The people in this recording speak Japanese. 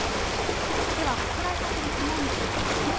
では、発雷確率も見ていきましょう。